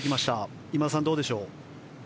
今田さん、どうでしょう。